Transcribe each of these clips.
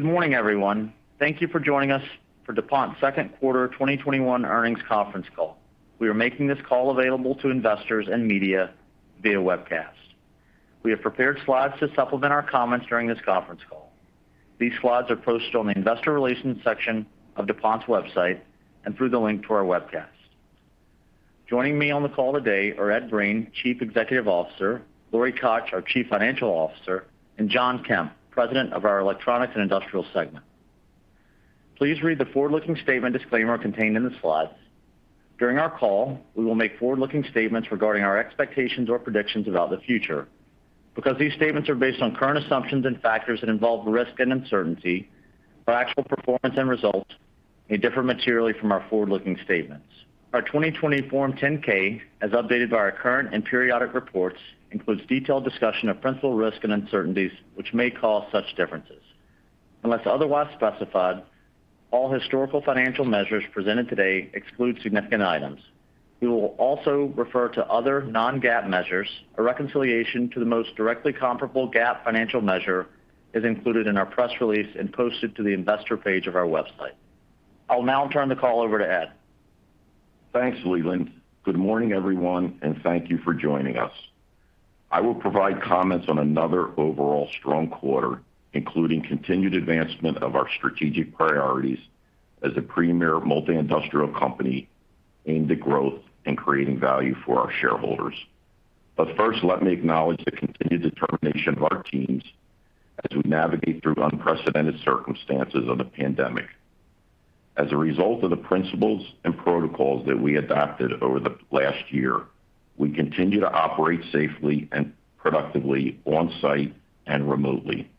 Good morning, everyone. Thank you for joining us for DuPont's second quarter 2021 earnings conference call. We are making this call available to investors and media via webcast. We have prepared slides to supplement our comments during this conference call. These slides are posted on the Investor Relations section of DuPont's website and through the link to our webcast. Joining me on the call today are Ed Breen, Chief Executive Officer, Lori Koch, our Chief Financial Officer, and Jon Kemp, President of our Electronics & Industrial segment. Please read the forward-looking statement disclaimer contained in the slides. During our call, we will make forward-looking statements regarding our expectations or predictions about the future. Because these statements are based on current assumptions and factors that involve risk and uncertainty, our actual performance and results may differ materially from our forward-looking statements. Our 2020 Form 10-K, as updated by our current and periodic reports, includes detailed discussion of principal risks and uncertainties, which may cause such differences. Unless otherwise specified, all historical financial measures presented today exclude significant items. We will also refer to other non-GAAP measures. A reconciliation to the most directly comparable GAAP financial measure is included in our press release and posted to the investor page of our website. I'll now turn the call over to Ed. Thanks, Leland. Good morning, everyone, and thank you for joining us. I will provide comments on another overall strong quarter, including continued advancement of our strategic priorities as a premier multi-industrial company aimed at growth and creating value for our shareholders. First, let me acknowledge the continued determination of our teams as we navigate through unprecedented circumstances of the pandemic. As a result of the principles and protocols that we adopted over the last year, we continue to operate safely and productively on-site and remotely.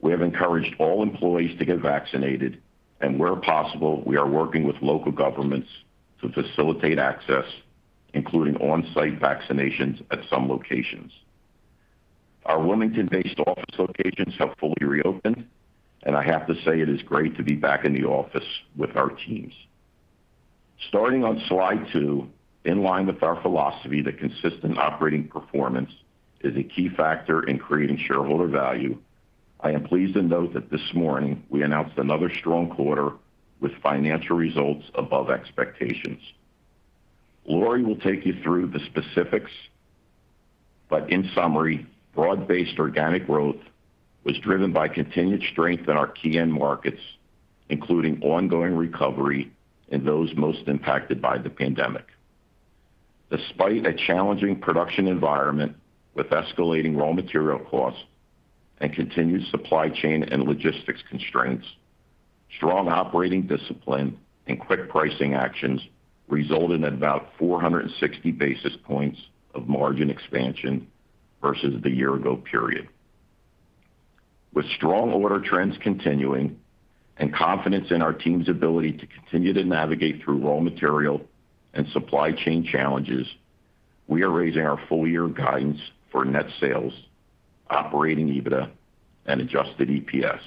We have encouraged all employees to get vaccinated, and where possible, we are working with local governments to facilitate access, including on-site vaccinations at some locations. Our Wilmington-based office locations have fully reopened, and I have to say it is great to be back in the office with our teams. Starting on Slide two, in line with our philosophy that consistent operating performance is a key factor in creating shareholder value, I am pleased to note that this morning we announced another strong quarter with financial results above expectations. Lori will take you through the specifics, but in summary, broad-based organic growth was driven by continued strength in our key end markets, including ongoing recovery in those most impacted by the pandemic. Despite a challenging production environment with escalating raw material costs and continued supply chain and logistics constraints, strong operating discipline and quick pricing actions result in about 460 basis points of margin expansion versus the year-ago period. With strong order trends continuing and confidence in our team's ability to continue to navigate through raw material and supply chain challenges, we are raising our full year guidance for net sales, operating EBITDA, and adjusted EPS.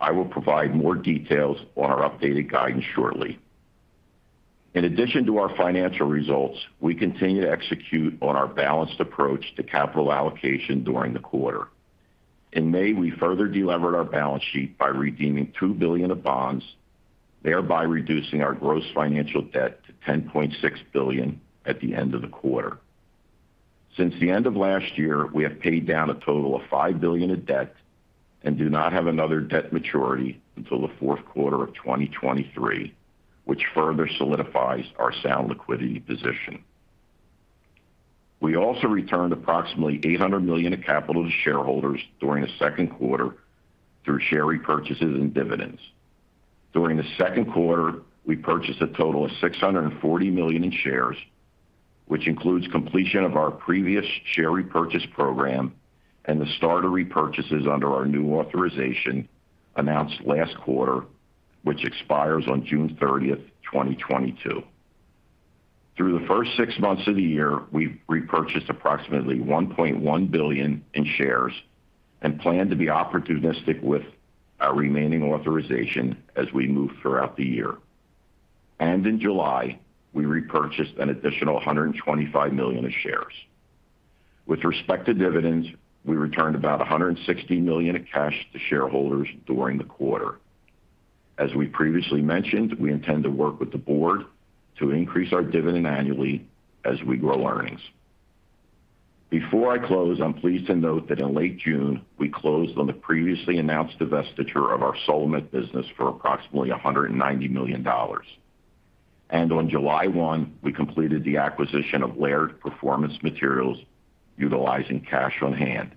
I will provide more details on our updated guidance shortly. In addition to our financial results, we continue to execute on our balanced approach to capital allocation during the quarter. In May, we further delevered our balance sheet by redeeming $2 billion of bonds, thereby reducing our gross financial debt to $10.6 billion at the end of the quarter. Since the end of last year, we have paid down a total of $5 billion of debt and do not have another debt maturity until the fourth quarter of 2023, which further solidifies our sound liquidity position. We also returned approximately $800 million of capital to shareholders during the second quarter through share repurchases and dividends. During the second quarter, we purchased a total of $640 million in shares, which includes completion of our previous share repurchase program and the start of repurchases under our new authorization announced last quarter, which expires on June 30, 2022. Through the first six months of the year, we've repurchased approximately $1.1 billion in shares and plan to be opportunistic with our remaining authorization as we move throughout the year. In July, we repurchased an additional $125 million of shares. With respect to dividends, we returned about $160 million of cash to shareholders during the quarter. As we previously mentioned, we intend to work with the board to increase our dividend annually as we grow earnings. Before I close, I'm pleased to note that in late June, we closed on the previously announced divestiture of our Solamet business for approximately $190 million. On July 1, we completed the acquisition of Laird Performance Materials utilizing cash on hand.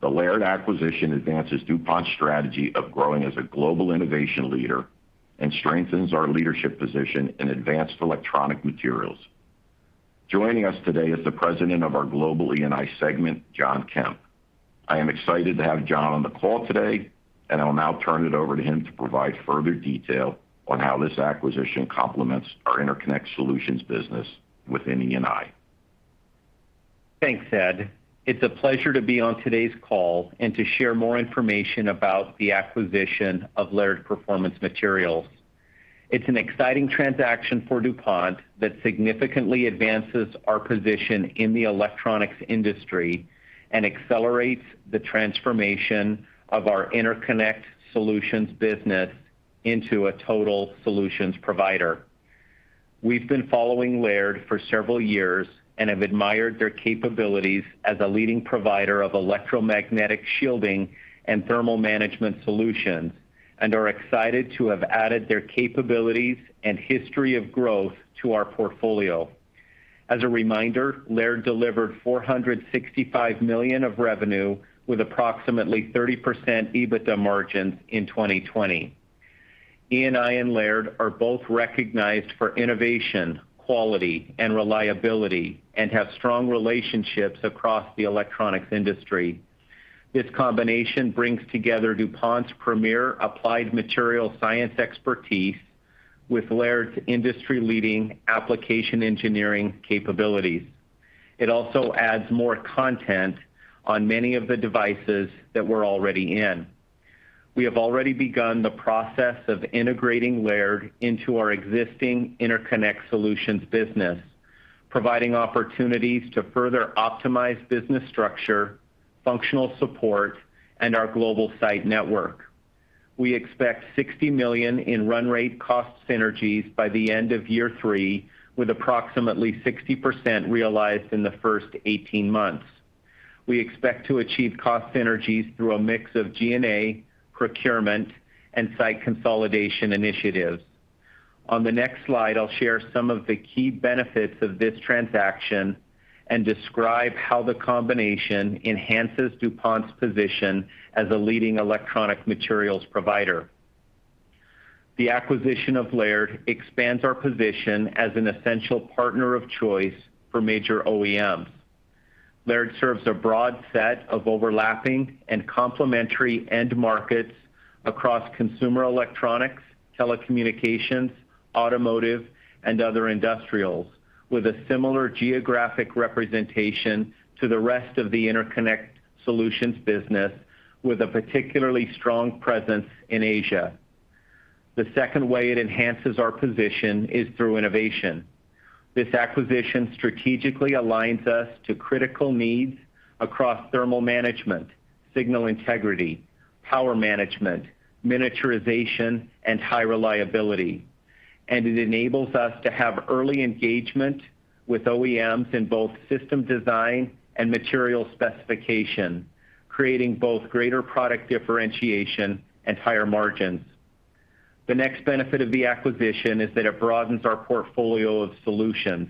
The Laird acquisition advances DuPont's strategy of growing as a global innovation leader and strengthens our leadership position in advanced electronic materials. Joining us today is the President of our global E&I segment, Jon Kemp. I am excited to have Jon on the call today, and I will now turn it over to him to provide further detail on how this acquisition complements our Interconnect Solutions business within E&I. Thanks, Ed. It's a pleasure to be on today's call and to share more information about the acquisition of Laird Performance Materials. It's an exciting transaction for DuPont that significantly advances our position in the electronics industry and accelerates the transformation of our Interconnect Solutions business into a total solutions provider. We've been following Laird for several years and have admired their capabilities as a leading provider of electromagnetic shielding and thermal management solutions and are excited to have added their capabilities and history of growth to our portfolio. As a reminder, Laird delivered $465 million of revenue with approximately 30% EBITDA margins in 2020. E&I and Laird are both recognized for innovation, quality, and reliability, and have strong relationships across the electronics industry. This combination brings together DuPont's premier applied material science expertise with Laird's industry-leading application engineering capabilities. It also adds more content on many of the devices that we're already in. We have already begun the process of integrating Laird into our existing Interconnect Solutions business, providing opportunities to further optimize business structure, functional support, and our global site network. We expect $60 million in run rate cost synergies by the end of year three, with approximately 60% realized in the first 18 months. We expect to achieve cost synergies through a mix of G&A, procurement, and site consolidation initiatives. On the next slide, I'll share some of the key benefits of this transaction and describe how the combination enhances DuPont's position as a leading electronic materials provider. The acquisition of Laird expands our position as an essential partner of choice for major OEMs. Laird serves a broad set of overlapping and complementary end markets across consumer electronics, telecommunications, automotive, and other industrials, with a similar geographic representation to the rest of the Interconnect Solutions business, with a particularly strong presence in Asia. The second way it enhances our position is through innovation. This acquisition strategically aligns us to critical needs across thermal management, signal integrity, power management, miniaturization, and high reliability. It enables us to have early engagement with OEMs in both system design and material specification, creating both greater product differentiation and higher margins. The next benefit of the acquisition is that it broadens our portfolio of solutions.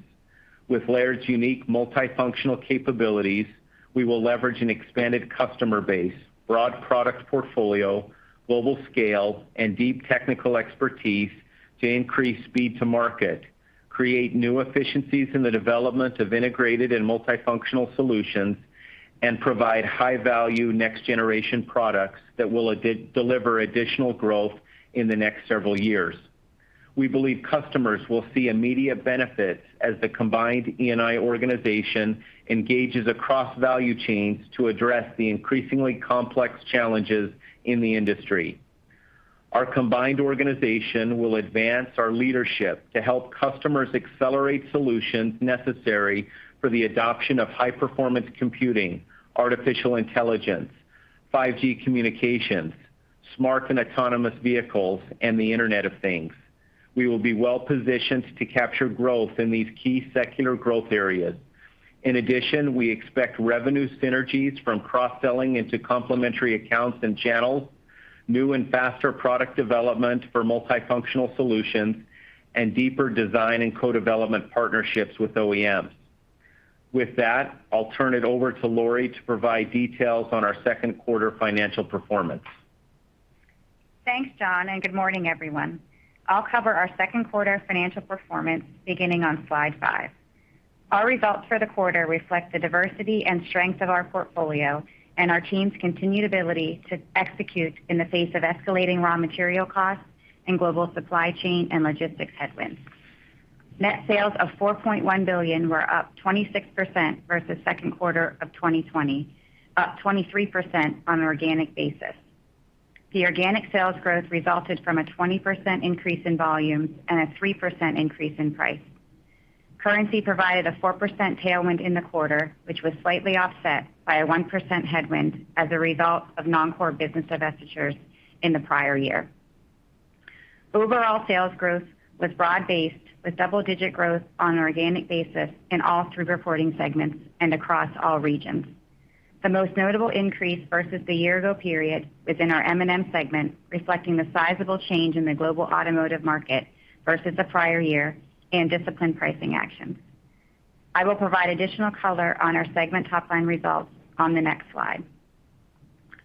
With Laird's unique multifunctional capabilities, we will leverage an expanded customer base, broad product portfolio, global scale, and deep technical expertise to increase speed to market, create new efficiencies in the development of integrated and multifunctional solutions, and provide high-value next generation products that will deliver additional growth in the next several years. We believe customers will see immediate benefits as the combined E&I organization engages across value chains to address the increasingly complex challenges in the industry. Our combined organization will advance our leadership to help customers accelerate solutions necessary for the adoption of high-performance computing, artificial intelligence, 5G communications, smart and autonomous vehicles, and the Internet of Things. We will be well-positioned to capture growth in these key secular growth areas. In addition, we expect revenue synergies from cross-selling into complementary accounts and channels, new and faster product development for multifunctional solutions, and deeper design and co-development partnerships with OEMs. With that, I'll turn it over to Lori to provide details on our second quarter financial performance. Thanks, Jon, and good morning, everyone. I'll cover our second quarter financial performance beginning on Slide five. Our results for the quarter reflect the diversity and strength of our portfolio and our team's continued ability to execute in the face of escalating raw material costs and global supply chain and logistics headwinds. Net sales of $4.1 billion were up 26% versus second quarter of 2020, up 23% on an organic basis. The organic sales growth resulted from a 20% increase in volumes and a 3% increase in price. Currency provided a 4% tailwind in the quarter, which was slightly offset by a 1% headwind as a result of non-core business divestitures in the prior year. Overall sales growth was broad-based, with double-digit growth on an organic basis in all three reporting segments and across all regions. The most notable increase versus the year-ago period was in our M&M segment, reflecting the sizable change in the global automotive market versus the prior year and disciplined pricing actions. I will provide additional color on our segment top-line results on the next slide.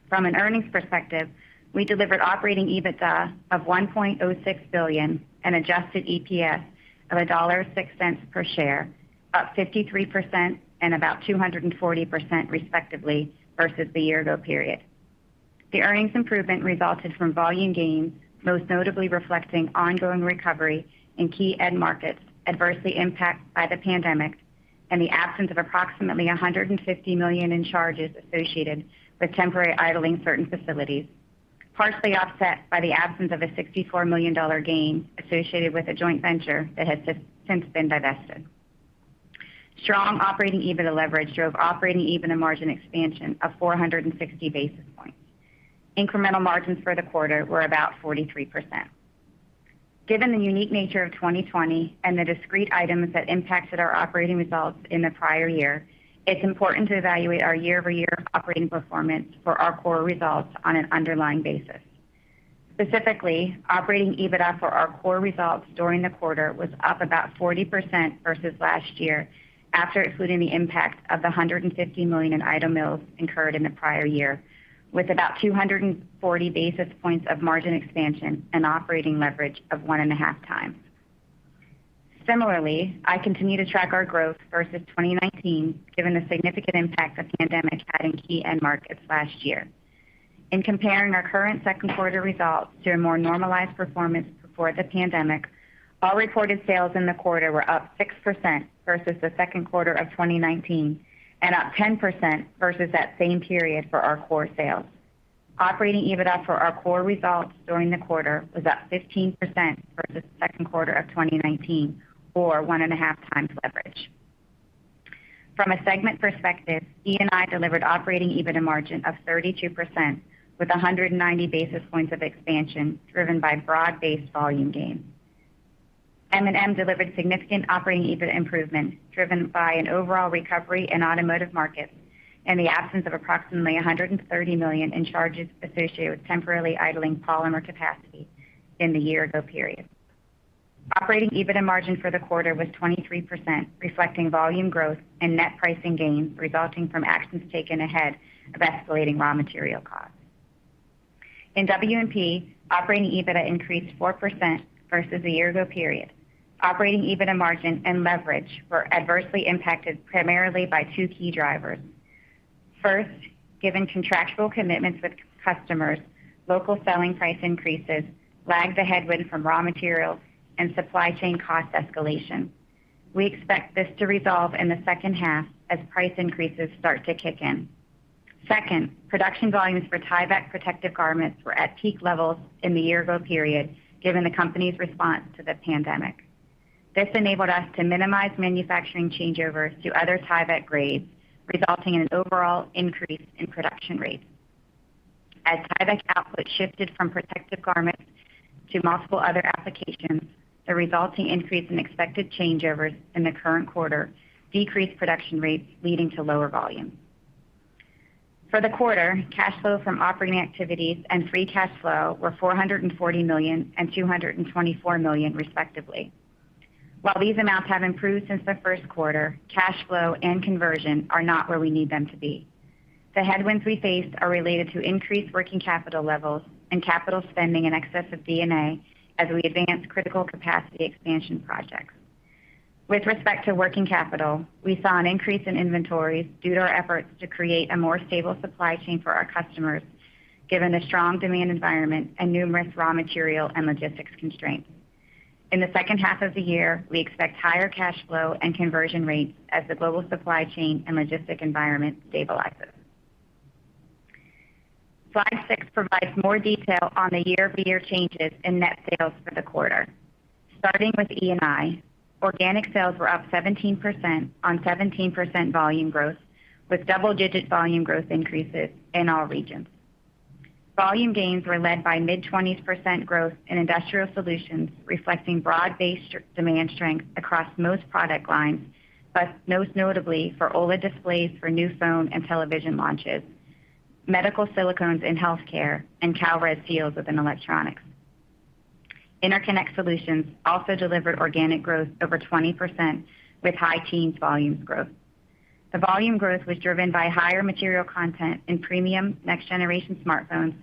From an earnings perspective, we delivered operating EBITDA of $1.06 billion and adjusted EPS of $1.06 per share, up 53% and about 240% respectively, versus the year-ago period. The earnings improvement resulted from volume gains, most notably reflecting ongoing recovery in key end markets adversely impacted by the pandemic and the absence of approximately $150 million in charges associated with temporarily idling certain facilities, partially offset by the absence of a $64 million gain associated with a joint venture that has since been divested. Strong operating EBITDA leverage drove operating EBITDA margin expansion of 460 basis points. Incremental margins for the quarter were about 43%. Given the unique nature of 2020 and the discrete items that impacted our operating results in the prior year, it's important to evaluate our year-over-year operating performance for our core results on an underlying basis. Specifically, operating EBITDA for our core results during the quarter was up about 40% versus last year, after excluding the impact of the $150 million in idle mills incurred in the prior year, with about 240 basis points of margin expansion and operating leverage of 1.5x. Similarly, I continue to track our growth versus 2019, given the significant impact the pandemic had in key end markets last year. In comparing our current second quarter results to a more normalized performance before the pandemic, all reported sales in the quarter were up 6% versus the second quarter of 2019, and up 10% versus that same period for our core sales. Operating EBITDA for our core results during the quarter was up 15% for the second quarter of 2019 or 1.5x leverage. From a segment perspective, E&I delivered operating EBITDA margin of 32% with 190 basis points of expansion driven by broad-based volume gain. M&M delivered significant operating EBITDA improvement driven by an overall recovery in automotive markets and the absence of approximately $130 million in charges associated with temporarily idling polymer capacity in the year-ago period. Operating EBITDA margin for the quarter was 23%, reflecting volume growth and net pricing gains resulting from actions taken ahead of escalating raw material costs. In W&P, operating EBITDA increased 4% versus the year-ago period. Operating EBITDA margin and leverage were adversely impacted primarily by two key drivers. First, given contractual commitments with customers, local selling price increases lagged the headwind from raw materials and supply chain cost escalation. We expect this to resolve in the second half as price increases start to kick in. Second, production volumes for Tyvek protective garments were at peak levels in the year ago period, given the company's response to the pandemic. This enabled us to minimize manufacturing changeovers to other Tyvek grades, resulting in an overall increase in production rates. As Tyvek output shifted from protective garments to multiple other applications, the resulting increase in expected changeovers in the current quarter decreased production rates, leading to lower volume. For the quarter, cash flow from operating activities and free cash flow were $440 million and $224 million respectively. While these amounts have improved since the first quarter, cash flow and conversion are not where we need them to be. The headwinds we face are related to increased working capital levels and capital spending in excess of D&A as we advance critical capacity expansion projects. With respect to working capital, we saw an increase in inventories due to our efforts to create a more stable supply chain for our customers, given the strong demand environment and numerous raw material and logistics constraints. In the second half of the year, we expect higher cash flow and conversion rates as the global supply chain and logistic environment stabilizes. Slide six provides more detail on the year-over-year changes in net sales for the quarter. Starting with E&I, organic sales were up 17% on 17% volume growth, with double-digit volume growth increases in all regions. Volume gains were led by mid-20% growth in Industrial Solutions, reflecting broad-based demand strength across most product lines, but most notably for OLED displays for new phone and television launches, medical silicones in healthcare, and Kalrez seals within electronics. Interconnect Solutions also delivered organic growth over 20% with high teens volume growth. The volume growth was driven by higher material content in premium next generation smartphones,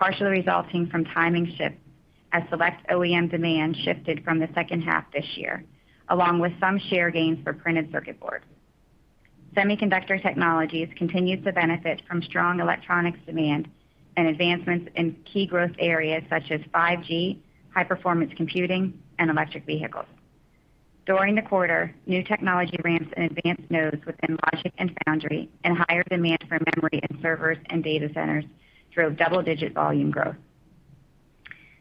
partially resulting from timing shifts as select OEM demand shifted from the second half this year, along with some share gains for printed circuit boards. Semiconductor Technologies continued to benefit from strong electronics demand and advancements in key growth areas such as 5G, high-performance computing, and electric vehicles. During the quarter, new technology ramps in advanced nodes within logic and foundry and higher demand for memory in servers and data centers drove double-digit volume growth.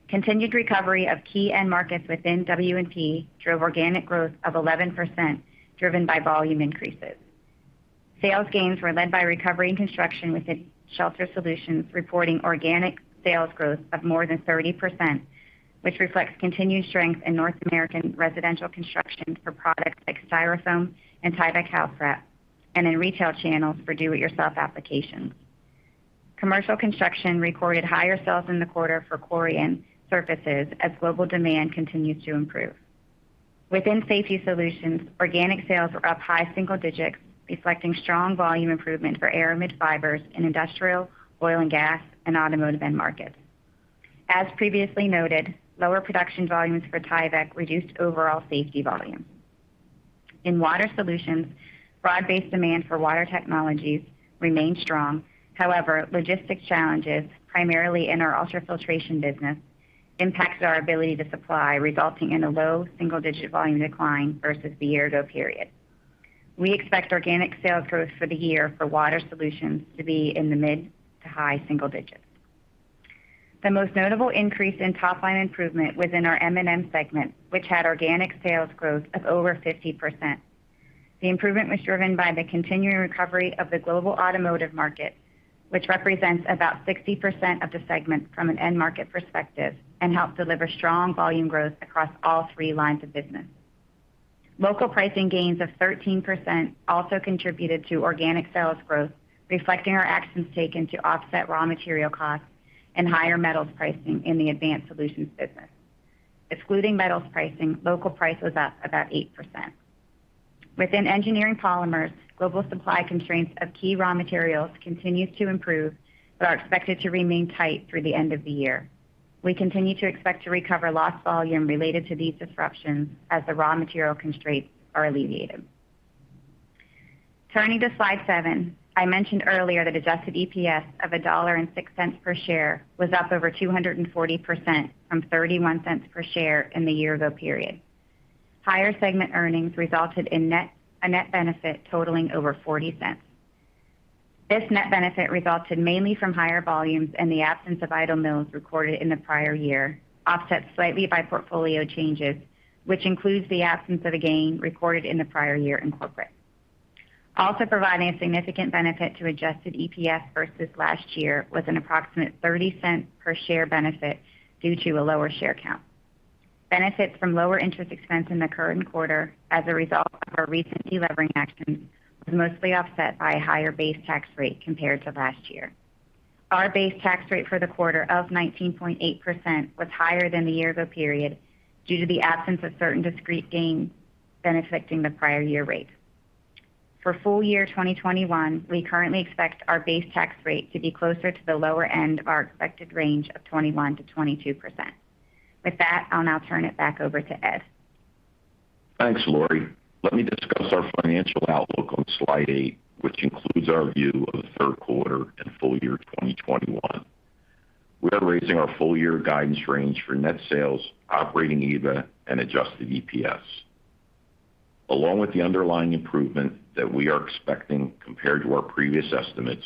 Continued recovery of key end markets within W&P drove organic growth of 11%, driven by volume increases. Sales gains were led by recovery and construction within Shelter Solutions, reporting organic sales growth of more than 30%, which reflects continued strength in North American residential construction for products like Styrofoam and Tyvek housewrap, and in retail channels for do-it-yourself applications. Commercial construction recorded higher sales in the quarter for Corian surfaces as global demand continues to improve. Within Safety Solutions, organic sales were up high single digits, reflecting strong volume improvement for aramid fibers in industrial, oil and gas, and automotive end markets. As previously noted, lower production volumes for Tyvek reduced overall safety volume. In Water Solutions, broad-based demand for water technologies remained strong. However, logistic challenges, primarily in our ultrafiltration business impacts our ability to supply, resulting in a low single-digit volume decline versus the year-ago period. We expect organic sales growth for the year for Water Solutions to be in the mid to high single digits. The most notable increase in top-line improvement was in our M&M segment, which had organic sales growth of over 50%. The improvement was driven by the continuing recovery of the global automotive market, which represents about 60% of the segment from an end market perspective and helped deliver strong volume growth across all three lines of business. Local pricing gains of 13% also contributed to organic sales growth, reflecting our actions taken to offset raw material costs and higher metals pricing in the Advanced Solutions business. Excluding metals pricing, local price was up about 8%. Within Engineering Polymers, global supply constraints of key raw materials continues to improve but are expected to remain tight through the end of the year. We continue to expect to recover lost volume related to these disruptions as the raw material constraints are alleviated. Turning to Slide seven. I mentioned earlier that adjusted EPS of $1.06 per share was up over 240% from $0.31 per share in the year ago period. Higher segment earnings resulted in a net benefit totaling over $0.40. This net benefit resulted mainly from higher volumes and the absence of idle mills recorded in the prior year, offset slightly by portfolio changes, which includes the absence of a gain recorded in the prior year in corporate. Also providing a significant benefit to adjusted EPS versus last year was an approximate $0.30 per share benefit due to a lower share count. Benefits from lower interest expense in the current quarter as a result of our recent delevering action was mostly offset by a higher base tax rate compared to last year. Our base tax rate for the quarter of 19.8% was higher than the year ago period due to the absence of certain discrete gains benefiting the prior year rate. For full year 2021, we currently expect our base tax rate to be closer to the lower end of our expected range of 21%-22%. With that, I'll now turn it back over to Ed. Thanks, Lori. Let me discuss our financial outlook on Slide eight, which includes our view of the third quarter and full year 2021. We are raising our full year guidance range for net sales, operating EBIT, and adjusted EPS. Along with the underlying improvement that we are expecting compared to our previous estimates,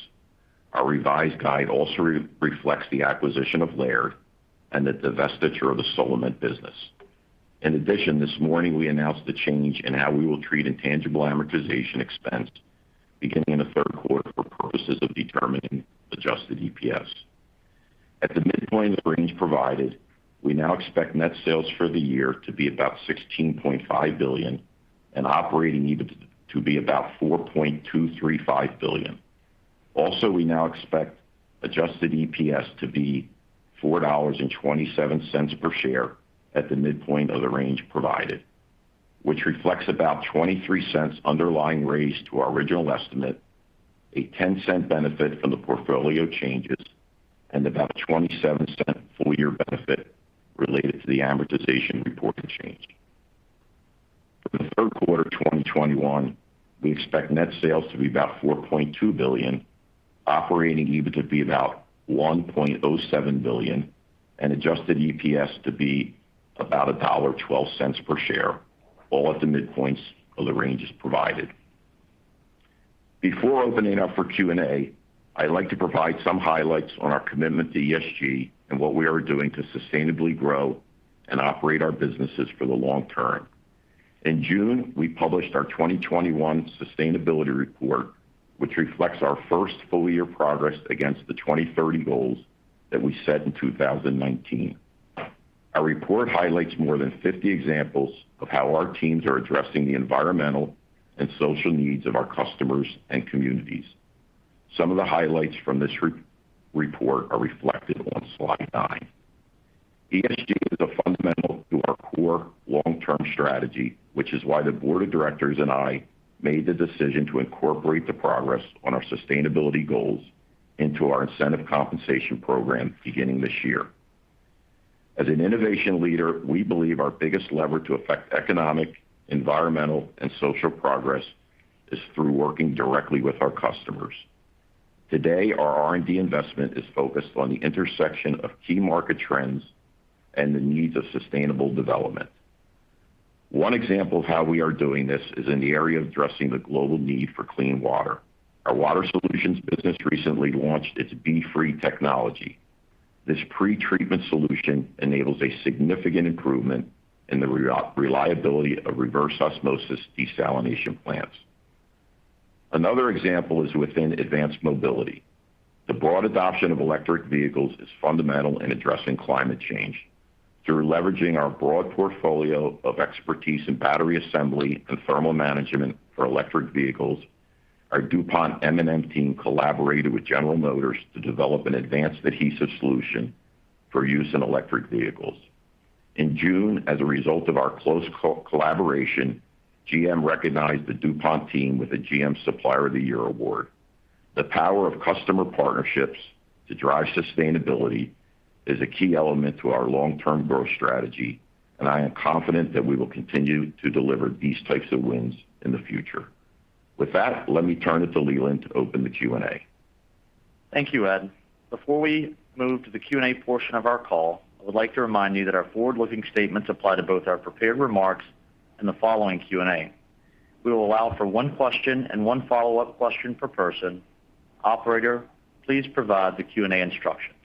our revised guide also reflects the acquisition of Laird and the divestiture of the Solamet business. In addition, this morning we announced a change in how we will treat intangible amortization expense beginning in the third quarter for purposes of determining adjusted EPS. At the midpoint of the range provided, we now expect net sales for the year to be about $16.5 billion and operating EBIT to be about $4.235 billion. Also, we now expect adjusted EPS to be $4.27 per share at the midpoint of the range provided, which reflects about $0.23 underlying raise to our original estimate, a $0.10 benefit from the portfolio changes, and about $0.27 full year benefit related to the amortization reporting change. For the third quarter 2021, we expect net sales to be about $4.2 billion, operating EBIT to be about $1.07 billion, and adjusted EPS to be about $1.12 per share, all at the midpoints of the ranges provided. Before opening up for Q&A, I'd like to provide some highlights on our commitment to ESG and what we are doing to sustainably grow and operate our businesses for the long term. In June, we published our 2021 sustainability report, which reflects our first full year progress against the 2030 goals that we set in 2019. Our report highlights more than 50 examples of how our teams are addressing the environmental and social needs of our customers and communities. Some of the highlights from this report are reflected on Slide nine. ESG is a fundamental to our core long-term strategy, which is why the Board of Directors and I made the decision to incorporate the progress on our sustainability goals into our incentive compensation program beginning this year. As an innovation leader, we believe our biggest lever to affect economic, environmental, and social progress is through working directly with our customers. Today, our R&D investment is focused on the intersection of key market trends and the needs of sustainable development. One example of how we are doing this is in the area of addressing the global need for clean water. Our Water Solutions business recently launched its B-Free technology. This pretreatment solution enables a significant improvement in the reliability of reverse osmosis desalination plants. Another example is within advanced mobility. The broad adoption of electric vehicles is fundamental in addressing climate change. Through leveraging our broad portfolio of expertise in battery assembly and thermal management for electric vehicles, our DuPont M&M team collaborated with General Motors to develop an advanced adhesive solution for use in electric vehicles. In June, as a result of our close collaboration, GM recognized the DuPont team with a GM Supplier of the Year award. The power of customer partnerships to drive sustainability is a key element to our long-term growth strategy, and I am confident that we will continue to deliver these types of wins in the future. With that, let me turn it to Leland to open the Q&A. Thank you, Ed. Before we move to the Q&A portion of our call, I would like to remind you that our forward-looking statements apply to both our prepared remarks and the following Q&A. We will allow for one question and one follow-up question per person. Operator, please provide the Q&A instructions.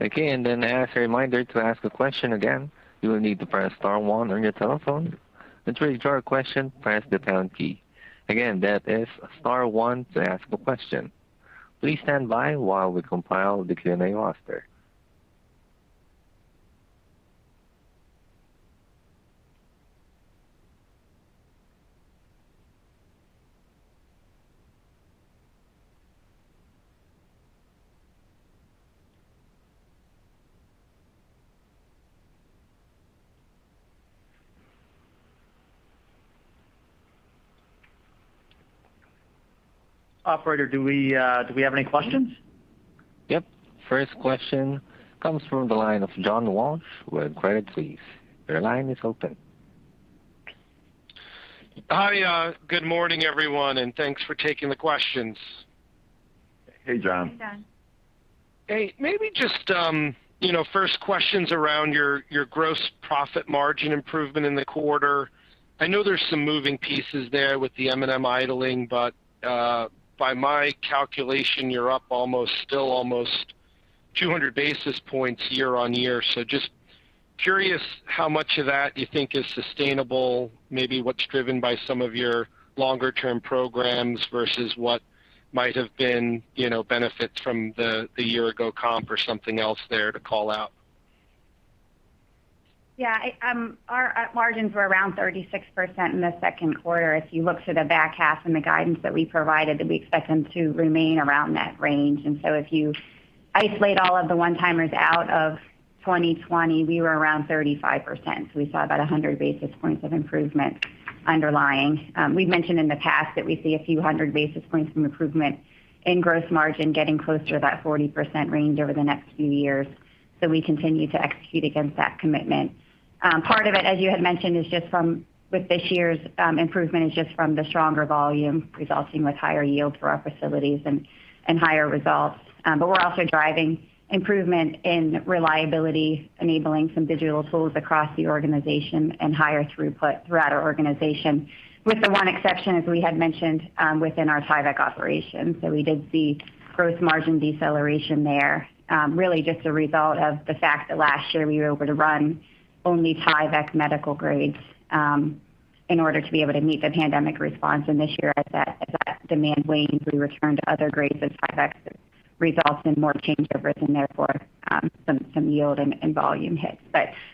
Again, as a reminder, to ask a question, again, you will need to press star one on your telephone. To withdraw a question, press the pound key. Again, that is star one to ask a question. Please stand by while we compile the Q&A roster. Operator, do we have any questions? Yep. First question comes from the line of John Walsh with Credit Suisse. Your line is open. Hi. Good morning, everyone, and thanks for taking the questions. Hey, John. Hey, John. Hey. First question's around your gross profit margin improvement in the quarter. I know there's some moving pieces there with the M&M idling. By my calculation, you're up still almost 200 basis points year-on-year. Just curious how much of that you think is sustainable, maybe what's driven by some of your longer-term programs versus what might have been benefits from the year ago comp or something else there to call out. Our margins were around 36% in the second quarter. If you look to the back half and the guidance that we provided, that we expect them to remain around that range. If you isolate all of the one-timers out of 2020, we were around 35%. We saw about 100 basis points of improvement underlying. We've mentioned in the past that we see a few hundred basis points from improvement in gross margin getting closer to that 40% range over the next few years. We continue to execute against that commitment. Part of it, as you had mentioned, with this year's improvement, is just from the stronger volume resulting with higher yields for our facilities and higher results. We're also driving improvement in reliability, enabling some digital tools across the organization and higher throughput throughout our organization, with the one exception, as we had mentioned, within our Tyvek operations. We did see gross margin deceleration there. Really just a result of the fact that last year we were able to run only Tyvek medical grades in order to be able to meet the pandemic response. This year, as that demand wanes, we return to other grades of Tyvek that results in more changeovers, and therefore some yield and volume hits.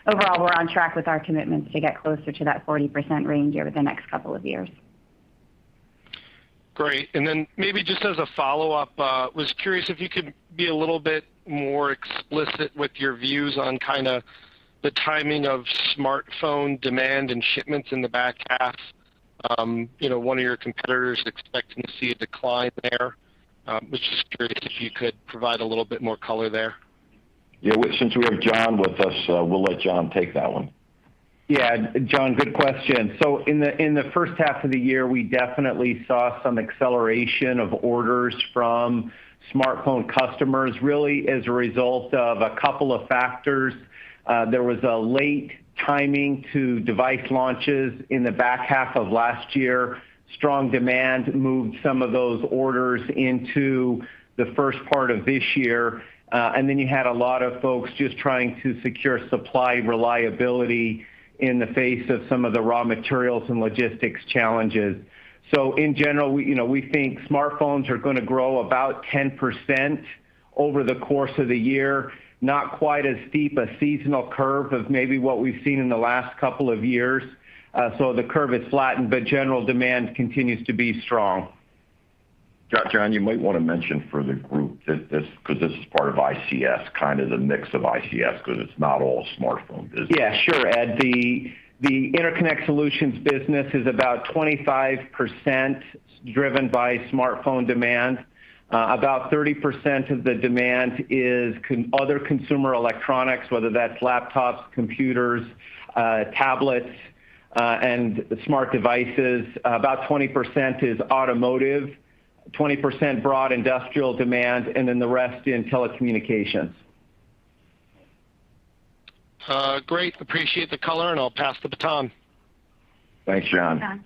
Overall, we're on track with our commitments to get closer to that 40% range over the next couple of years. Great. Maybe just as a follow-up, was curious if you could be a little bit more explicit with your views on the timing of smartphone demand and shipments in the back half. One of your competitors expecting to see a decline there. Was just curious if you could provide a little bit more color there. Yeah. Since we have Jon with us, we'll let Jon take that one. Yeah. John, good question. In the first half of the year, we definitely saw some acceleration of orders from smartphone customers, really as a result of a couple of factors. There was a late timing to device launches in the back half of last year. Strong demand moved some of those orders into the first part of this year. You had a lot of folks just trying to secure supply reliability in the face of some of the raw materials and logistics challenges. In general, we think smartphones are going to grow about 10% over the course of the year. Not quite as steep a seasonal curve of maybe what we've seen in the last couple of years. The curve is flattened, general demand continues to be strong. Jon, you might want to mention for the group, because this is part of ICS, kind of the mix of ICS, because it's not all smartphone business. Yeah. Sure, Ed. The Interconnect Solutions business is about 25% driven by smartphone demand. About 30% of the demand is other consumer electronics, whether that's laptops, computers, tablets, and smart devices. About 20% is automotive, 20% broad industrial demand, and then the rest in telecommunications. Great. Appreciate the color, and I'll pass the baton. Thanks, John.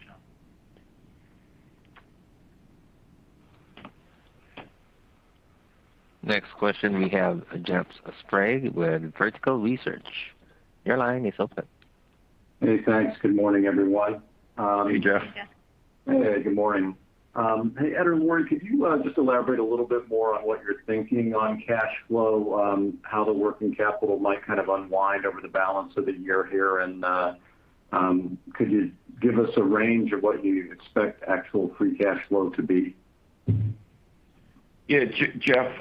Thanks, John. Next question, we have Jeff Sprague with Vertical Research. Your line is open. Hey, thanks. Good morning, everyone. Hey, Jeff. Good morning. Ed or Lori, could you just elaborate a little bit more on what you're thinking on cash flow, how the working capital might kind of unwind over the balance of the year here, and could you give us a range of what you expect actual free cash flow to be? Jeff,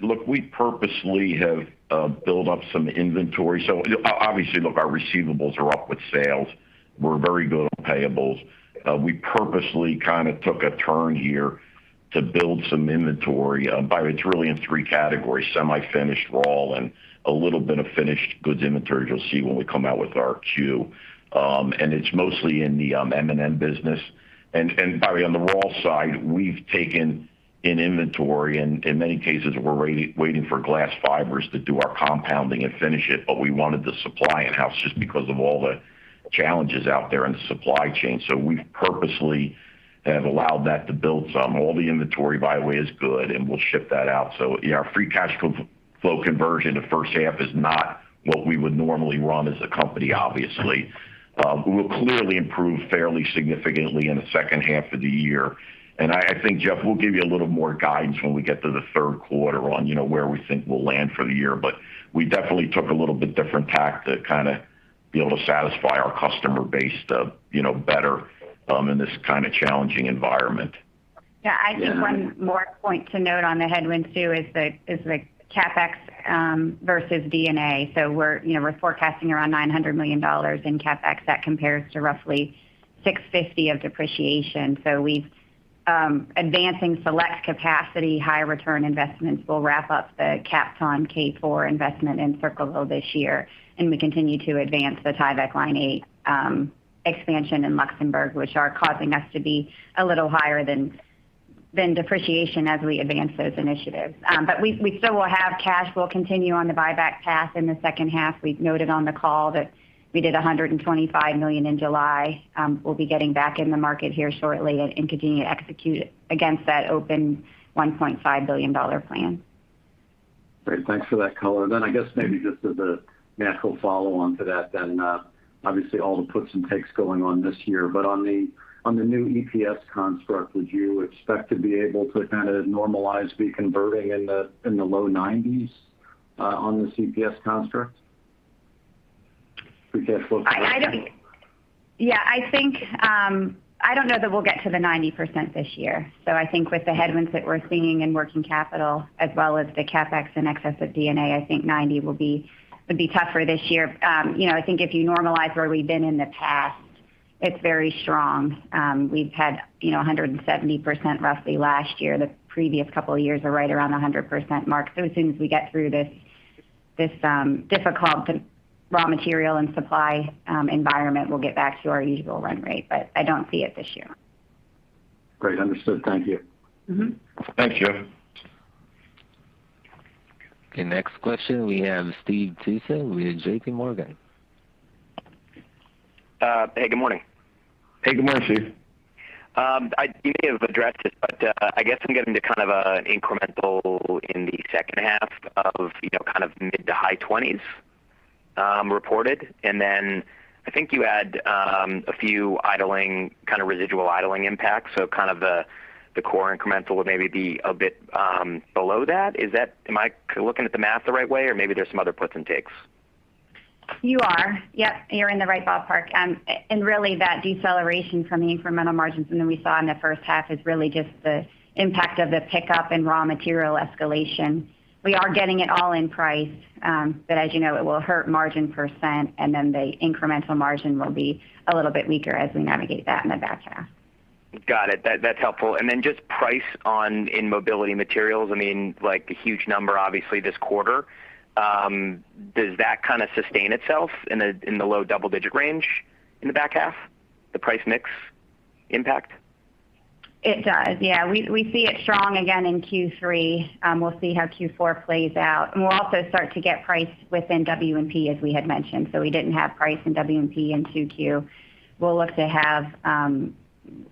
look, we purposely have built up some inventory. Obviously, look, our receivables are up with sales. We're very good on payables. We purposely kind of took a turn here to build some inventory. It's really in three categories, semi-finished raw and a little bit of finished goods inventory you'll see when we come out with our Q. It's mostly in the M&M business. By the way, on the raw side, we've taken in inventory, and in many cases, we're waiting for glass fibers to do our compounding and finish it. We wanted the supply in-house just because of all the challenges out there in the supply chain. We purposely have allowed that to build some. All the inventory, by the way, is good, and we'll ship that out. Our free cash flow conversion the first half is not what we would normally run as a company, obviously. We'll clearly improve fairly significantly in the second half of the year. I think, Jeff, we'll give you a little more guidance when we get to the third quarter on where we think we'll land for the year. We definitely took a little bit different tack to kind of be able to satisfy our customer base better in this kind of challenging environment. I think one more point to note on the headwinds too is the CapEx versus D&A. We're forecasting around $900 million in CapEx. That compares to roughly $650 million of depreciation. We've advancing select capacity, high return investments. We'll wrap up the Kapton K4 investment in Circleville this year, and we continue to advance the Tyvek Line 8 expansion in Luxembourg, which are causing us to be a little higher than depreciation as we advance those initiatives. We still will have cash. We'll continue on the buyback path in the second half. We've noted on the call that we did $125 million in July. We'll be getting back in the market here shortly and continue to execute against that open $1.5 billion plan. Great. Thanks for that color. I guess maybe just as a natural follow-on to that then, obviously all the puts and takes going on this year, on the new EPS construct, would you expect to be able to kind of normalize, be converting in the low 90s on the EPS construct? Free cash flow- Yeah. I don't know that we'll get to the 90% this year. I think with the headwinds that we're seeing in working capital as well as the CapEx in excess of D&A, I think 90% would be tougher this year. I think if you normalize where we've been in the past, it's very strong. We've had 170% roughly last year. The previous couple of years are right around the 100% mark. As soon as we get through this difficult raw material and supply environment, we'll get back to our usual run rate, but I don't see it this year. Great, understood. Thank you. Thanks, Jeff. Okay, next question, we have Steve Tusa with JPMorgan. Hey, good morning. Hey, good morning, Steve. You may have addressed it, but I guess I'm getting to kind of an incremental in the second half of mid-to-high 20s reported, and then I think you had a few kind of residual idling impacts. Kind of the core incremental would maybe be a bit below that. Am I looking at the math the right way, or maybe there's some other puts and takes? You are. Yep, you're in the right ballpark. Really that deceleration from the incremental margins than we saw in the first half is really just the impact of the pickup in raw material escalation. We are getting it all in price. As you know, it will hurt margin percent, and then the incremental margin will be a little bit weaker as we navigate that in the back half. Got it. That's helpful. Just price on in mobility materials, I mean, like a huge number obviously this quarter. Does that kind of sustain itself in the low double-digit range in the back half, the price mix impact? It does, yeah. We see it strong again in Q3. We'll see how Q4 plays out. We'll also start to get price within W&P as we had mentioned. We didn't have price in W&P in 2Q. We'll look to have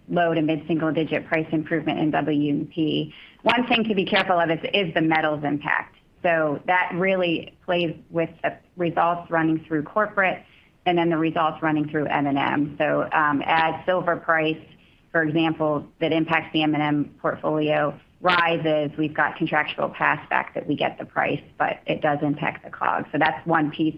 low- to mid-single digit price improvement in W&P. One thing to be careful of is the metals impact. That really plays with the results running through corporate and then the results running through M&M. As silver price, for example, that impacts the M&M portfolio rises, we've got contractual pass back that we get the price, but it does impact the COGS. That's one piece.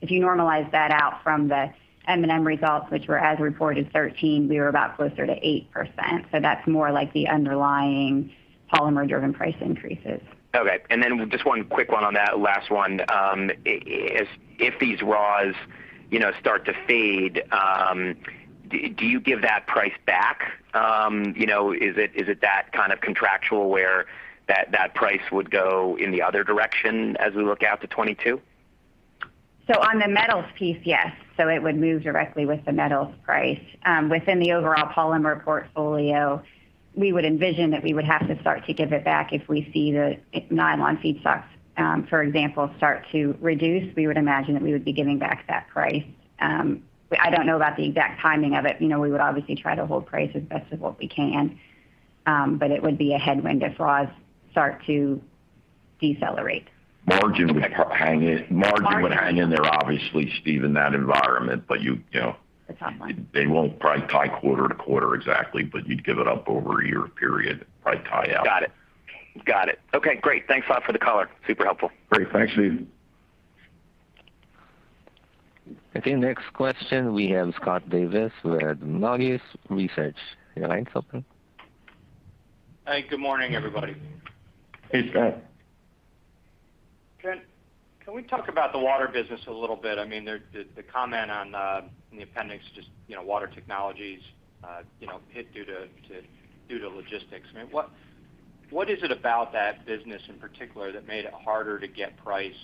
If you normalize that out from the M&M results, which were as reported 13, we were about closer to 8%. That's more like the underlying polymer-driven price increases. Okay. Just one quick one on that last one. If these raws start to fade, do you give that price back? Is it that kind of contractual where that price would go in the other direction as we look out to 2022? On the metals piece, yes. It would move directly with the metals price. Within the overall polymer portfolio, we would envision that we would have to start to give it back if we see the nylon feedstocks, for example, start to reduce. We would imagine that we would be giving back that price. I don't know about the exact timing of it. We would obviously try to hold price as best as what we can. It would be a headwind if raws start to decelerate. Margin would hang in there obviously, Steve, in that environment. The top line. They won't price tie quarter to quarter exactly, but you'd give it up over a year period, probably tie out. Got it. Got it. Okay, great. Thanks a lot for the color. Super helpful. Great. Thanks, Steve. Okay, next question we have Scott Davis with Melius Research. Your line's open. Hey, good morning, everybody. Hey, Scott. Can we talk about the water business a little bit? The comment on the appendix, just water technologies hit due to logistics. What is it about that business in particular that made it harder to get price?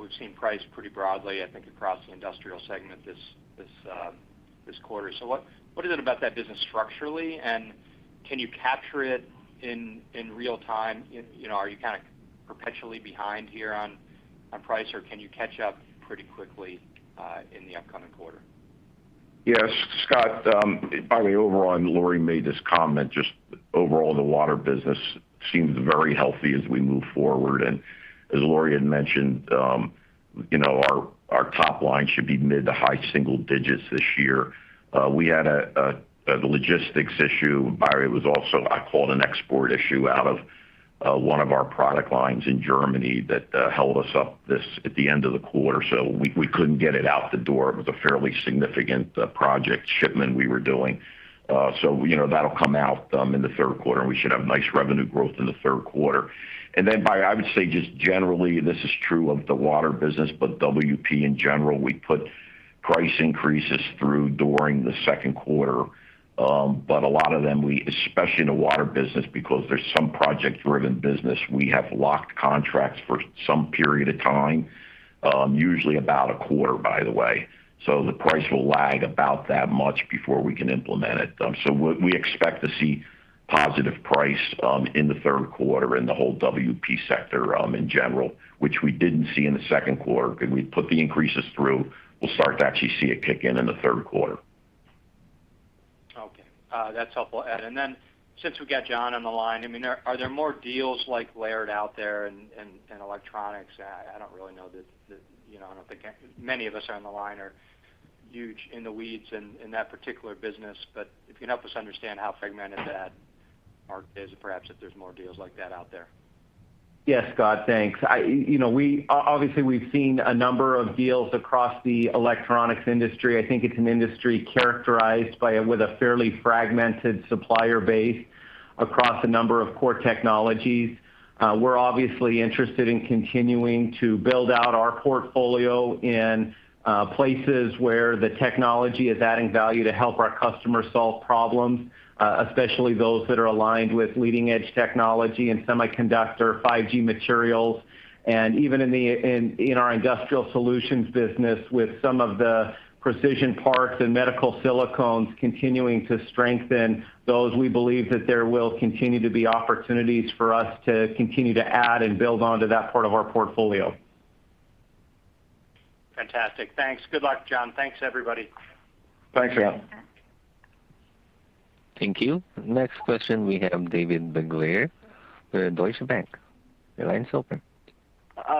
We've seen price pretty broadly, I think, across the industrial segment this quarter. What is it about that business structurally, and can you capture it in real time? Are you kind of perpetually behind here on price, or can you catch up pretty quickly in the upcoming quarter? Yes, Scott. By the way, overall, and Lori made this comment, just overall the water business seems very healthy as we move forward. As Lori had mentioned, our top line should be mid to high single digits this year. We had a logistics issue, by the way, it was also, I call it an export issue out of one of our product lines in Germany that held us up at the end of the quarter. We couldn't get it out the door. It was a fairly significant project shipment we were doing. That'll come out in the third quarter, and we should have nice revenue growth in the third quarter. Then, I would say just generally, this is true of the water business, but W&P in general, we put price increases through during the second quarter. A lot of them, especially in the water business because there's some project-driven business, we have locked contracts for some period of time, usually about a quarter, by the way. The price will lag about that much before we can implement it. We expect to see positive price in the third quarter in the whole W&P sector, in general, which we didn't see in the second quarter because we put the increases through. We'll start to actually see it kick in in the third quarter. Okay. That's helpful, Ed. Since we've got Jon on the line, are there more deals like Laird out there in electronics? I don't really know. I don't think many of us are on the line are huge in the weeds in that particular business. If you can help us understand how fragmented that market is, or perhaps if there's more deals like that out there. Yes, Scott, thanks. Obviously, we've seen a number of deals across the electronics industry. I think it's an industry characterized with a fairly fragmented supplier base across a number of core technologies. We're obviously interested in continuing to build out our portfolio in places where the technology is adding value to help our customers solve problems, especially those that are aligned with leading-edge technology and semiconductor 5G materials, and even in our Industrial Solutions business with some of the precision parts and medical silicones continuing to strengthen those, we believe that there will continue to be opportunities for us to continue to add and build onto that part of our portfolio. Fantastic. Thanks. Good luck, Jon. Thanks, everybody. Thanks, Scott. Thank you. Next question, we have David Begleiter with Deutsche Bank. Your line is open.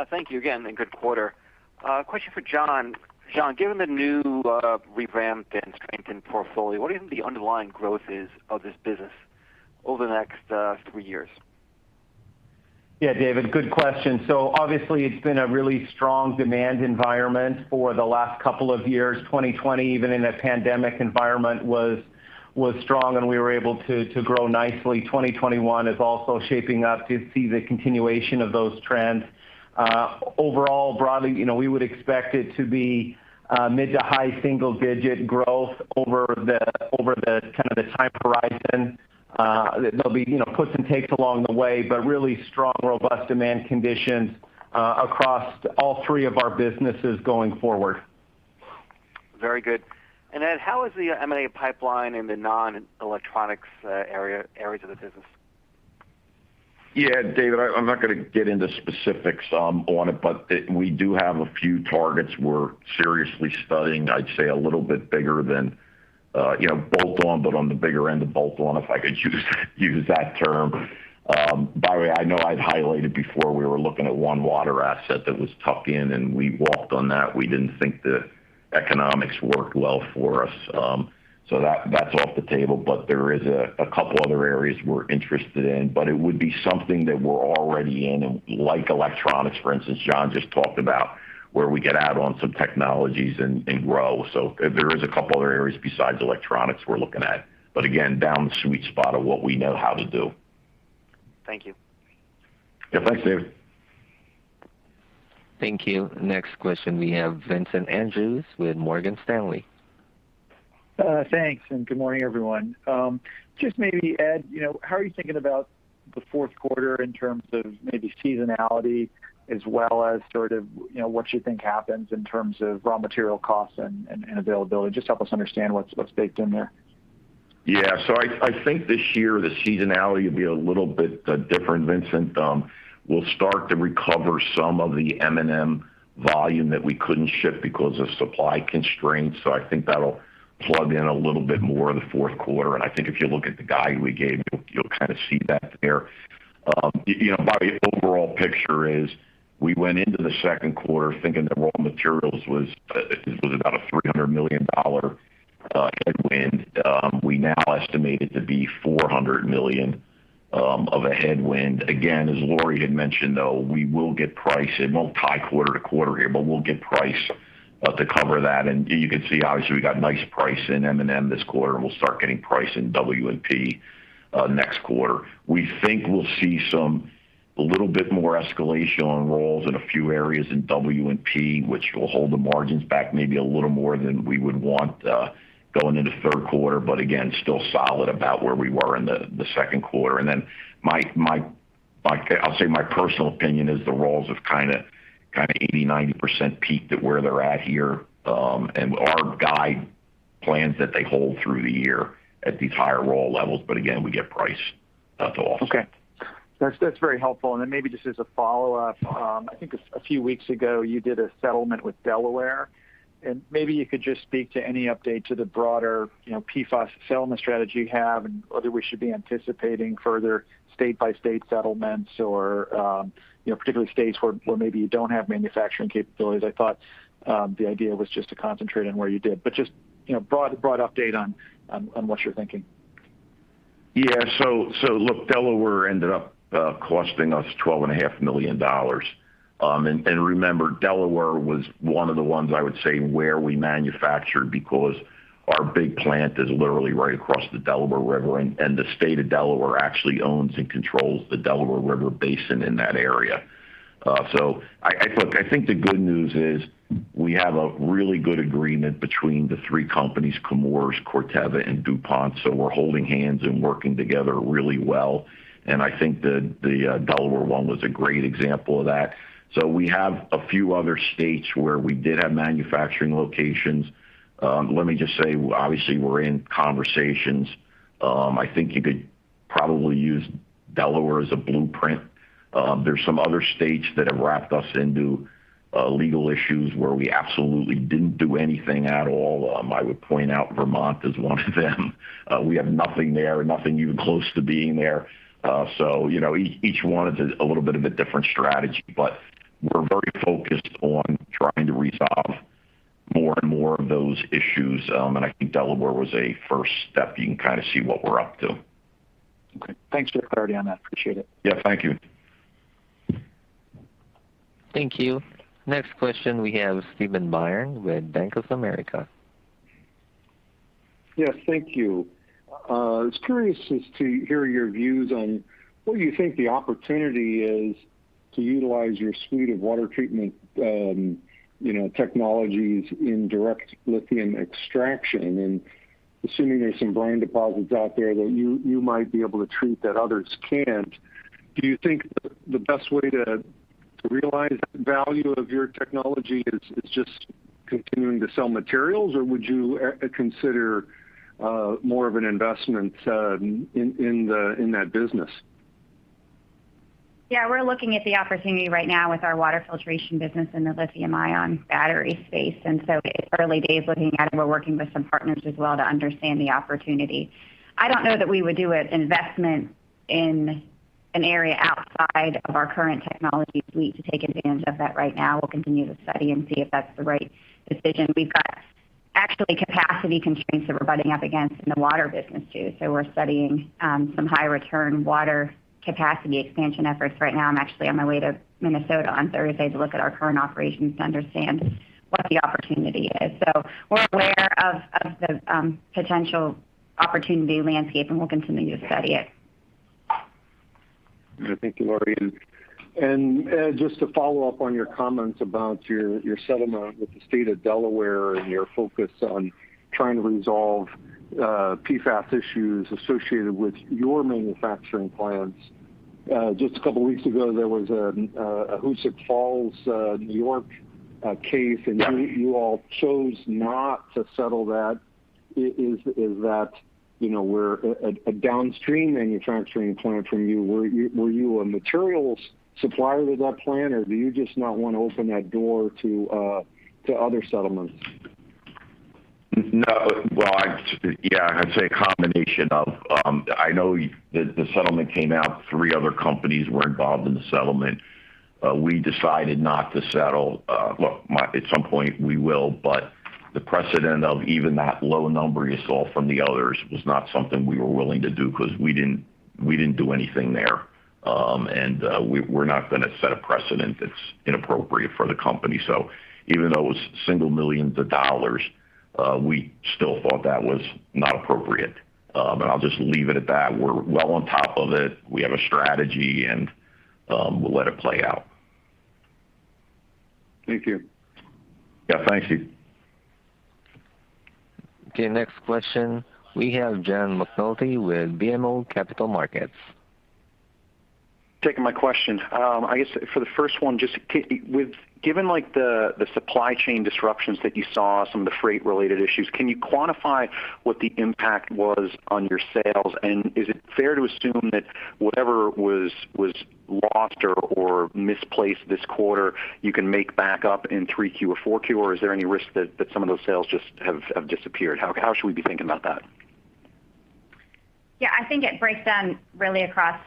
Thank you again. Good quarter. Question for Jon. Jon, given the new revamped and strengthened portfolio, what do you think the underlying growth is of this business over the next three years? Yeah, David, good question. Obviously, it's been a really strong demand environment for the last couple of years. 2020, even in a pandemic environment, was strong, and we were able to grow nicely. 2021 is also shaping up to see the continuation of those trends. Overall, broadly, we would expect it to be mid to high single-digit growth over the kind of the time horizon. There'll be puts and takes along the way, but really strong, robust demand conditions across all three of our businesses going forward. Very good. Ed, how is the M&A pipeline in the non-electronics areas of the business? Yeah, David, I'm not going to get into specifics on it, but we do have a few targets we're seriously studying. I'd say a little bit bigger than bolt-on, but on the bigger end of bolt-on, if I could use that term. By the way, I know I've highlighted before we were looking at one water asset that was tucked in, and we walked on that. We didn't think the economics worked well for us. That's off the table, but there is a couple other areas we're interested in, but it would be something that we're already in, like electronics, for instance, Jon just talked about, where we can add on some technologies and grow. There is a couple other areas besides electronics we're looking at, but again, down the sweet spot of what we know how to do. Thank you. Yeah, thanks, David. Thank you. Next question, we have Vincent Andrews with Morgan Stanley. Thanks, and good morning, everyone. Just maybe, Ed, how are you thinking about the fourth quarter in terms of maybe seasonality as well as sort of what you think happens in terms of raw material costs and availability? Just help us understand what's baked in there. Yeah. I think this year the seasonality will be a little bit different, Vincent. We'll start to recover some of the M&M volume that we couldn't ship because of supply constraints. I think that'll plug in a little bit more in the fourth quarter, and I think if you look at the guide we gave, you'll kind of see that there. My overall picture is we went into the second quarter thinking that raw materials was about a $300 million headwind. We now estimate it to be $400 million of a headwind. Again, as Lori had mentioned, though, it won't tie quarter to quarter here, but we'll get price to cover that. You can see, obviously, we got nice price in M&M this quarter, and we'll start getting price in W&P next quarter. We think we'll see a little bit more escalation on raws in a few areas in W&P, which will hold the margins back maybe a little more than we would want going into the third quarter, again, still solid about where we were in the second quarter. I'll say my personal opinion is the raws have kind of 80%-90% peaked at where they're at here. Our guide plans that they hold through the year at these higher raw levels, again, we get price to offset. Okay. That's very helpful. Maybe just as a follow-up, I think a few weeks ago, you did a settlement with Delaware, and maybe you could just speak to any update to the broader PFAS settlement strategy you have and whether we should be anticipating further state-by-state settlements or particular states where maybe you don't have manufacturing capabilities. I thought the idea was just to concentrate on where you did, but just broad update on what you're thinking. Look, Delaware ended up costing us $12.5 million. Remember, Delaware was one of the ones, I would say, where we manufactured because our big plant is literally right across the Delaware [River], and the state of Delaware actually owns and controls the Delaware River Basin in that area. Look, I think the good news is we have a really good agreement between the three companies, Chemours, Corteva, and DuPont. We're holding hands and working together really well, and I think the Delaware one was a great example of that. We have a few other states where we did have manufacturing locations. Let me just say, obviously, we're in conversations. I think you could probably use Delaware as a blueprint. There's some other states that have wrapped us into legal issues where we absolutely didn't do anything at all. I would point out Vermont is one of them. We have nothing there, nothing even close to being there. Each one is a little bit of a different strategy, but we're very focused on trying to resolve more and more of those issues. I think Delaware was a first step. You can kind of see what we're up to. Thanks for the clarity on that. Appreciate it. Yeah, thank you. Thank you. Next question, we have [Steve Byrne] with Bank of America. Yes, thank you. I was curious as to hear your views on what you think the opportunity is to utilize your suite of water treatment technologies in direct lithium extraction. Assuming there's some brine deposits out there that you might be able to treat that others can't, do you think the best way to realize the value of your technology is just continuing to sell materials, or would you consider more of an investment in that business? Yeah, we're looking at the opportunity right now with our water filtration business in the lithium-ion battery space. It's early days looking at it. We're working with some partners as well to understand the opportunity. I don't know that we would do an investment in an area outside of our current technology suite to take advantage of that right now. We'll continue to study and see if that's the right decision. We've got actually capacity constraints that we're butting up against in the water business, too. We're studying some high-return water capacity expansion efforts right now. I'm actually on my way to Minnesota on Thursday to look at our current operations to understand what the opportunity is. We're aware of the potential opportunity landscape, and we're continuing to study it. Thank you, Lori. Just to follow up on your comments about your settlement with the State of Delaware and your focus on trying to resolve PFAS issues associated with your manufacturing plants. Just a couple of weeks ago, there was a Hoosick Falls, New York case. You all chose not to settle that. Is that where a downstream manufacturing plant from you? Were you a materials supplier to that plant, or do you just not want to open that door to other settlements? No. Well, I'd say a combination of I know the settlement came out, three other companies were involved in the settlement. We decided not to settle. Look, at some point we will, the precedent of even that low number you saw from the others was not something we were willing to do because we didn't do anything there. We're not going to set a precedent that's inappropriate for the company. Even though it was single millions of dollars, we still thought that was not appropriate. I'll just leave it at that. We're well on top of it. We have a strategy, and we'll let it play out. Thank you. Yeah. Thank you. Okay, next question. We have John McNulty with BMO Capital Markets. Thank you for taking my question. I guess for the first one, just given the supply chain disruptions that you saw, some of the freight-related issues, can you quantify what the impact was on your sales? Is it fair to assume that whatever was lost or misplaced this quarter, you can make back up in 3Q or 4Q, or is there any risk that some of those sales just have disappeared? How should we be thinking about that? I think it breaks down really across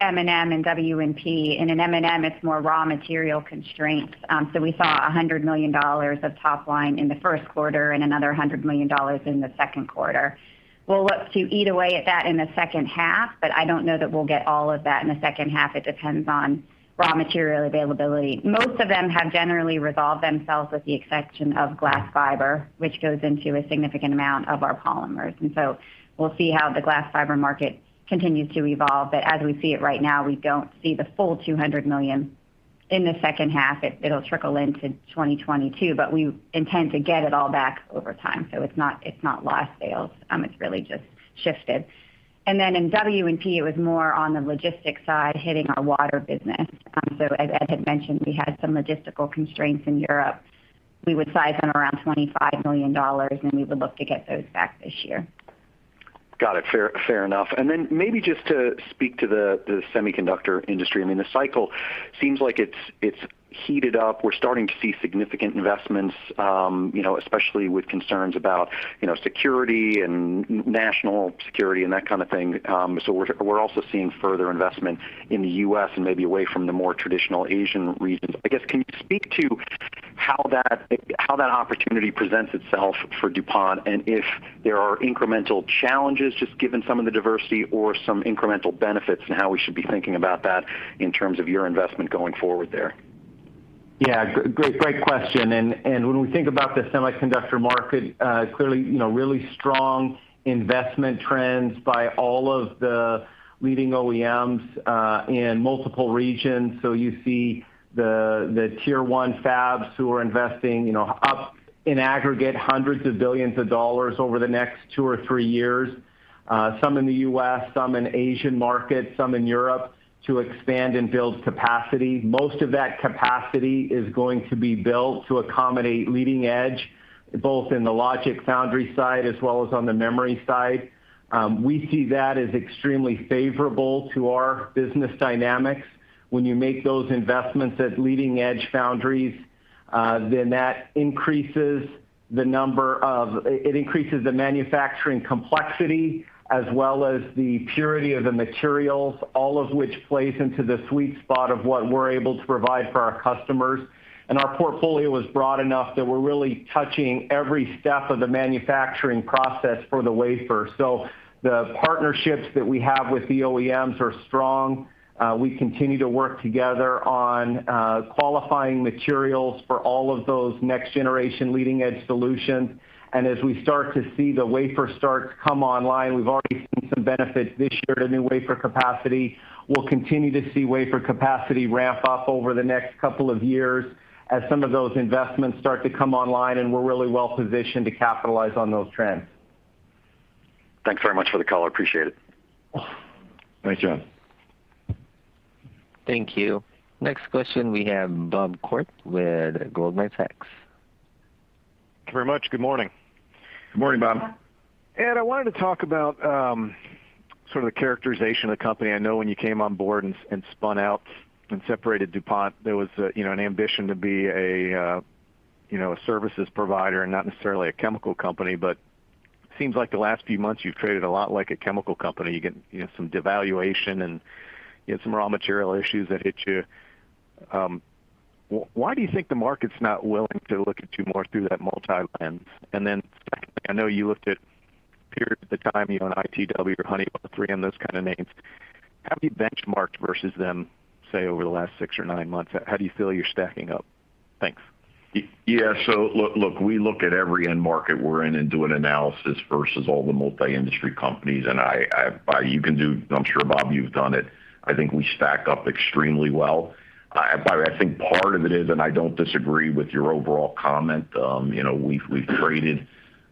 M&M and W&P. In M&M, it's more raw material constraints. We saw $100 million of top line in the first quarter and another $100 million in the second quarter. We'll look to eat away at that in the second half, but I don't know that we'll get all of that in the second half. It depends on raw material availability. Most of them have generally resolved themselves with the exception of glass fiber, which goes into a significant amount of our polymers. We'll see how the glass fiber market continues to evolve. As we see it right now, we don't see the full $200 million in the second half. It'll trickle into 2022, but we intend to get it all back over time, so it's not lost sales. It's really just shifted. In W&P, it was more on the logistics side, hitting our water business. As Ed had mentioned, we had some logistical constraints in Europe. We would size it around $25 million, and we would look to get those back this year. Got it. Fair enough. Then maybe just to speak to the semiconductor industry, the cycle seems like it's heated up. We're starting to see significant investments, especially with concerns about security and national security and that kind of thing. We're also seeing further investment in the U.S. and maybe away from the more traditional Asian regions. I guess, can you speak to how that opportunity presents itself for DuPont, and if there are incremental challenges, just given some of the diversity or some incremental benefits and how we should be thinking about that in terms of your investment going forward there? Yeah. Great question. When we think about the semiconductor market, clearly, really strong investment trends by all of the leading OEMs in multiple regions. You see the Tier 1 fabs who are investing up in aggregate hundreds of billions of dollars over the next two or three years, some in the U.S., some in Asian markets, some in Europe to expand and build capacity. Most of that capacity is going to be built to accommodate leading edge, both in the logic foundry side as well as on the memory side. We see that as extremely favorable to our business dynamics. When you make those investments at leading-edge foundries, then that increases the manufacturing complexity as well as the purity of the materials, all of which plays into the sweet spot of what we're able to provide for our customers. Our portfolio is broad enough that we're really touching every step of the manufacturing process for the wafer. The partnerships that we have with the OEMs are strong. We continue to work together on qualifying materials for all of those next-generation leading edge solutions, and as we start to see the wafer starts come online, we've already seen some benefit this year in new wafer capacity. We'll continue to see wafer capacity ramp up over the next couple of years as some of those investments start to come online, and we're really well positioned to capitalize on those trends. Thanks very much for the color. I appreciate it. Thanks, John. Thank you. Next question, we have Bob Koort with Goldman Sachs. Thank you very much. Good morning. Good morning, Bob. Ed, I wanted to talk about sort of the characterization of the company. I know when you came on board and spun out and separated DuPont, there was an ambition to be a services provider and not necessarily a chemical company, but seems like the last few months you've traded a lot like a chemical company. You get some devaluation and some raw material issues that hit you. Why do you think the market's not willing to look at you more through that multi lens? Then, I know you looked at periods of time, ITW or Honeywell, 3M, those kind of names. How have you benchmarked versus them, say, over the last six or nine months? How do you feel you're stacking up? Thanks. Yeah, look, we look at every end market we're in and do an analysis versus all the multi-industry companies. I'm sure, Bob, you've done it. I think we stack up extremely well. I think part of it is, and I don't disagree with your overall comment, we've traded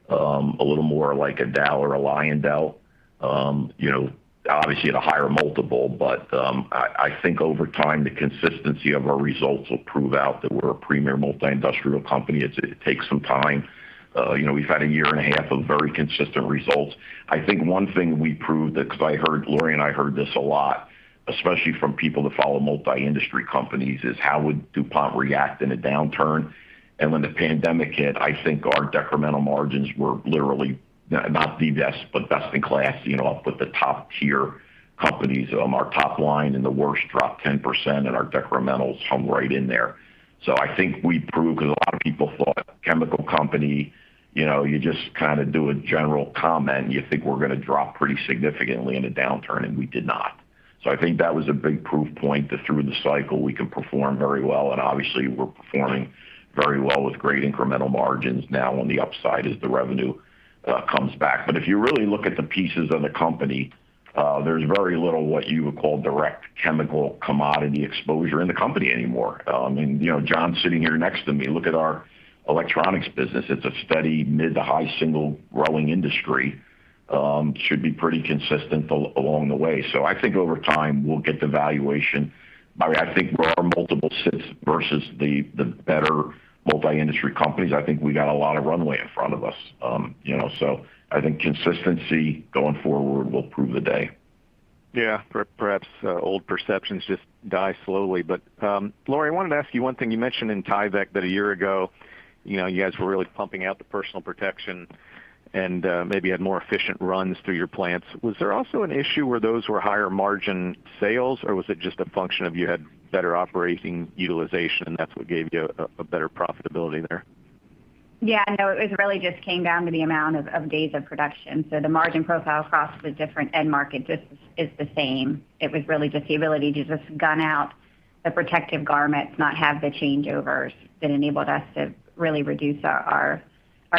a little more like a Dow or a Lyondell, obviously at a higher multiple. I think over time, the consistency of our results will prove out that we're a premier multi-industrial company. It takes some time. We've had a year and a half of very consistent results. I think one thing we proved that, because Lori and I heard this a lot, especially from people that follow multi-industry companies, is how would DuPont react in a downturn? When the pandemic hit, I think our decremental margins were literally not the best, but best in class, up with the top tier companies. Our top line in the worst dropped 10%, and our decrementals hung right in there. I think we proved, because a lot of people thought chemical company, you just kind of do a general comment, and you think we're going to drop pretty significantly in a downturn, and we did not. I think that was a big proof point that through the cycle we could perform very well, and obviously we're performing very well with great incremental margins now on the upside as the revenue comes back. If you really look at the pieces of the company, there's very little what you would call direct chemical commodity exposure in the company anymore. Jon's sitting here next to me. Look at our electronics business. It's a steady mid to high single growing industry. Should be pretty consistent along the way. I think over time, we'll get the valuation. I think where our multiple sits versus the better multi-industry companies, I think we got a lot of runway in front of us. I think consistency going forward will prove the day. Yeah. Perhaps old perceptions just die slowly. Lori, I wanted to ask you one thing. You mentioned in Tyvek that a year ago, you guys were really pumping out the personal protection and maybe had more efficient runs through your plants. Was there also an issue where those were higher margin sales or was it just a function of you had better operating utilization and that's what gave you a better profitability there? Yeah. No, it really just came down to the amount of days of production. The margin profile across the different end markets is the same. It was really just the ability to just gun out the protective garments, not have the changeovers, that enabled us to really reduce our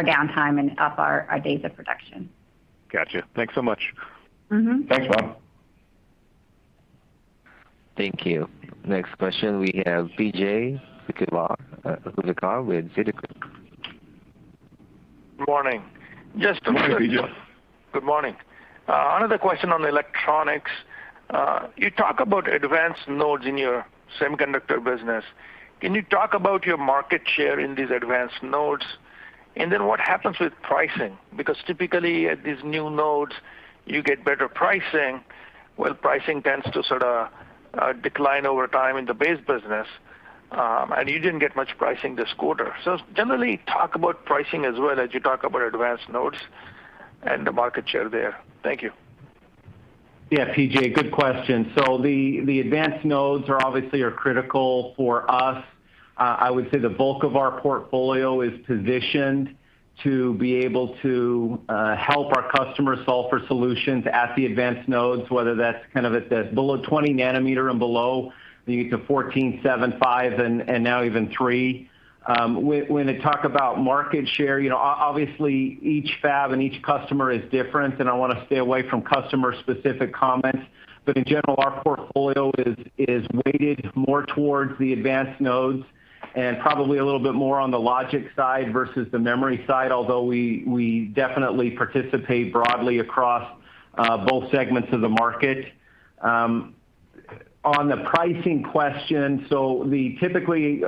downtime and up our days of production. Got you. Thanks so much. Thanks, Bob. Thank you. Next question, we have P.J. Juvekar with Citi. Good morning. Good morning, P.J. Good morning. Another question on electronics. You talk about advanced nodes in your semiconductor business. Can you talk about your market share in these advanced nodes? What happens with pricing? Because typically at these new nodes, you get better pricing, while pricing tends to sort of decline over time in the base business. You didn't get much pricing this quarter. Generally, talk about pricing as well as you talk about advanced nodes and the market share there. Thank you. Yeah, P.J., good question. The advanced nodes obviously are critical for us. I would say the bulk of our portfolio is positioned to be able to help our customers solve for solutions at the advanced nodes, whether that's at the below 20 nanometer and below, then you get to 14, 7, 5, and now even 3. When they talk about market share, obviously each fab and each customer is different, and I want to stay away from customer-specific comments. In general, our portfolio is weighted more towards the advanced nodes and probably a little bit more on the logic side versus the memory side, although we definitely participate broadly across both segments of the market. On the pricing question, typically,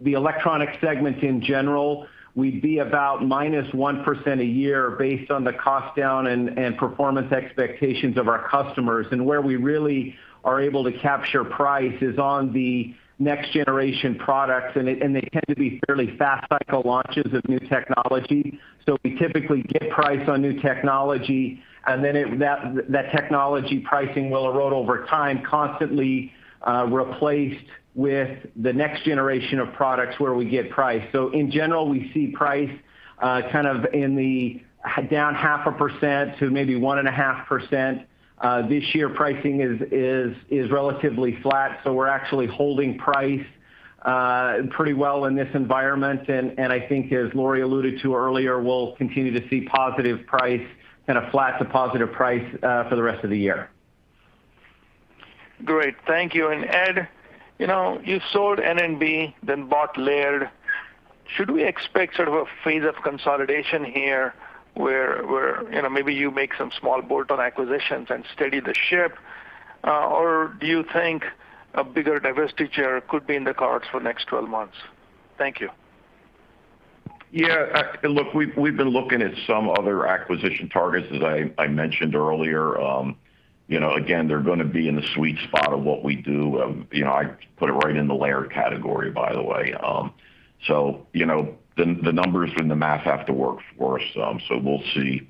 the electronic segments in general, we'd be about -1% a year based on the cost down and performance expectations of our customers. Where we really are able to capture price is on the next generation products, and they tend to be fairly fast cycle launches of new technology. We typically get price on new technology, and then that technology pricing will erode over time, constantly replaced with the next generation of products where we get price. In general, we see price kind of in the down 0.5% to maybe 1.5%. This year, pricing is relatively flat, so we're actually holding price pretty well in this environment, and I think as Lori alluded to earlier, we'll continue to see positive price and a flat to positive price for the rest of the year. Great. Thank you. Ed, you sold N&B, then bought Laird. Should we expect sort of a phase of consolidation here where maybe you make some small bolt-on acquisitions and steady the ship? Or do you think a bigger divestiture could be in the cards for next 12 months? Thank you. Yeah. Look, we've been looking at some other acquisition targets, as I mentioned earlier. Again, they're going to be in the sweet spot of what we do. I put it right in the Laird category, by the way. The numbers and the math have to work for us. We'll see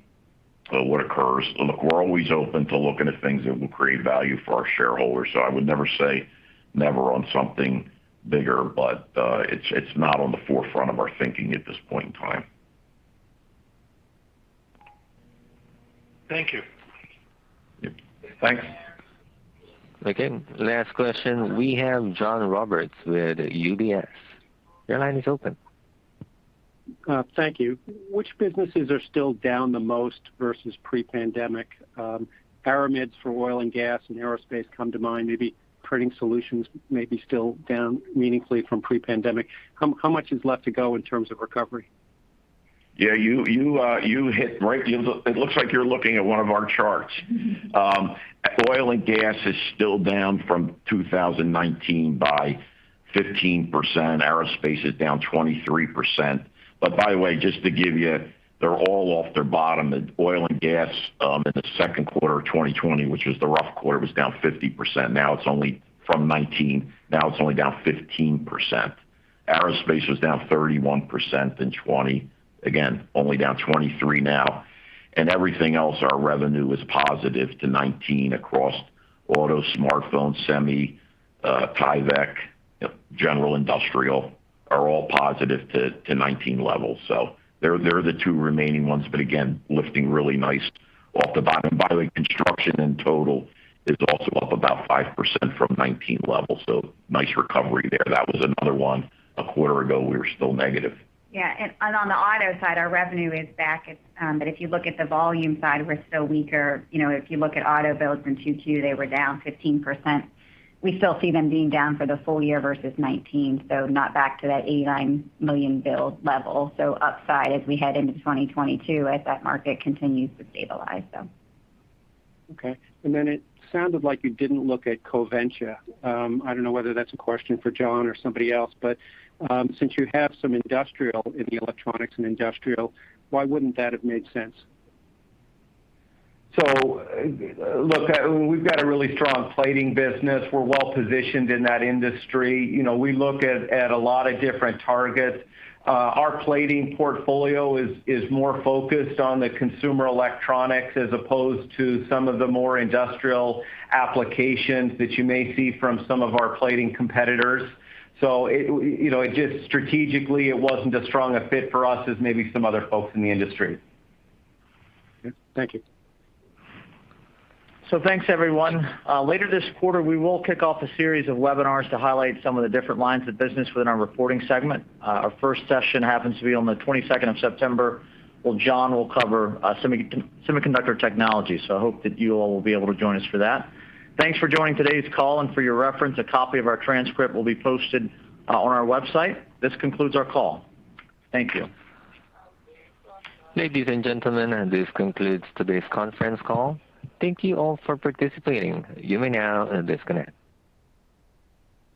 what occurs. Look, we're always open to looking at things that will create value for our shareholders, so I would never say never on something bigger, but it's not on the forefront of our thinking at this point in time. Thank you. Yep. Thanks. Okay. Last question, we have John Roberts with UBS. Your line is open. Thank you. Which businesses are still down the most versus pre-pandemic? Aramids for oil and gas and aerospace come to mind. Maybe printing solutions may be still down meaningfully from pre-pandemic. How much is left to go in terms of recovery? Yeah. It looks like you're looking at one of our charts. Oil and gas is still down from 2019 by 15%. Aerospace is down 23%. By the way, just to give you, they're all off their bottom. Oil and gas in the second quarter of 2020, which was the rough quarter, was down 50%. From 2019, now it's only down 15%. Aerospace was down 31% in 2020. Again, only down 23% now. Everything else, our revenue is positive to 2019 across auto, smartphone, semi, Tyvek, general industrial, are all positive to 2019 levels. They're the two remaining ones. Again, lifting really nice off the bottom. By the way, construction in total is also up about 5% from 2019 levels, so nice recovery there. That was another one. A quarter ago, we were still negative. Yeah. On the auto side, our revenue is back. If you look at the volume side, we're still weaker. If you look at auto builds in 2Q, they were down 15%. We still see them being down for the full year versus 2019, not back to that $89 million build level. Upside as we head into 2022 as that market continues to stabilize. Okay. It sounded like you didn't look at Coventya. I don't know whether that's a question for Jon or somebody else, since you have some industrial in the Electronics & Industrial, why wouldn't that have made sense? Look, we've got a really strong plating business. We're well-positioned in that industry. We look at a lot of different targets. Our plating portfolio is more focused on the consumer electronics as opposed to some of the more industrial applications that you may see from some of our plating competitors. Strategically, it wasn't as strong a fit for us as maybe some other folks in the industry. Okay. Thank you. Thanks, everyone. Later this quarter, we will kick off a series of webinars to highlight some of the different lines of business within our reporting segment. Our first session happens to be on the 22nd of September, where Jon Kemp will cover Semiconductor Technologies. I hope that you all will be able to join us for that. Thanks for joining today's call, and for your reference, a copy of our transcript will be posted on our website. This concludes our call. Thank you. Ladies and gentlemen, this concludes today's conference call. Thank you all for participating. You may now disconnect.